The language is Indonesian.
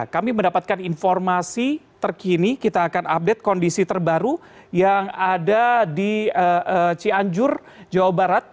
kami mendapatkan informasi terkini kita akan update kondisi terbaru yang ada di cianjur jawa barat